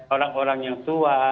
orang orang yang tua